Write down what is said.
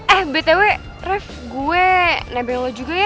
eh btw ref gue nebeng lo juga ya